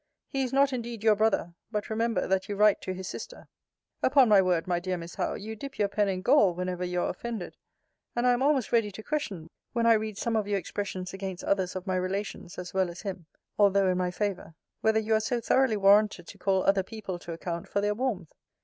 He is not indeed your brother: but remember, that you write to his sister. Upon my word, my dear Miss Howe, you dip your pen in gall whenever you are offended: and I am almost ready to question, whether I read some of your expressions against others of my relations as well as him, (although in my favour,) whether you are so thoroughly warranted to call other people to account for their warmth.